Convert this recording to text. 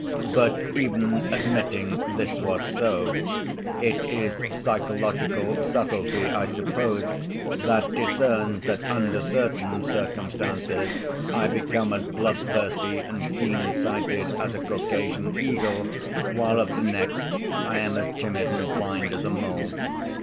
But even admitting this was so, it is psychological subtlety, I suppose, that discerns that under certain circumstances I become as bloodthirsty and keen‐sighted as a Caucasian eagle, while at the next I am as timid and blind as a mole.